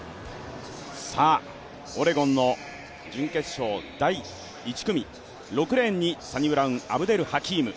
オレゴンの準決勝第１組、６レーンにサニブラウン・アブデル・ハキーム。